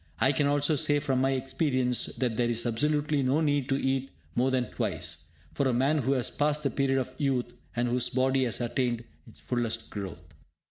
I can also say from my experience that there is absolutely no need to eat more than twice, for a man who has passed the period of youth, and whose body has attained its fullest growth.